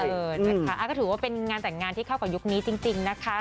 เออนะคะก็ถือว่าเป็นงานแต่งงานที่เข้ากับยุคนี้จริงนะคะ